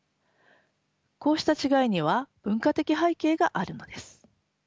こうした違いには文化的背景があるのです。